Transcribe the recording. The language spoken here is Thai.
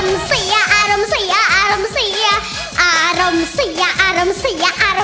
โมโฮโมโฮ